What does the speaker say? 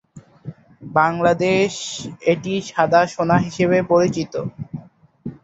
বাংলাদেশে এটি সাদা সোনা হিসেবে পরিচিত।